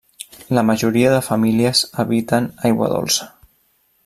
La majoria de famílies habiten aigua dolça.